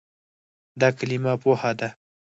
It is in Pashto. دا کلمه "پوهه" ده.